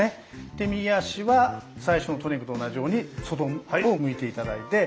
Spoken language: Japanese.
で右足は最初のトレーニングと同じように外を向いて頂いて。